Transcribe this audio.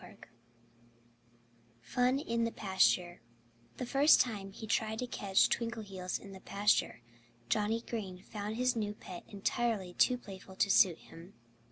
II FUN IN THE PASTURE The first time he tried to catch Twinkleheels in the pasture, Johnnie Green found his new pet entirely too playful to suit him.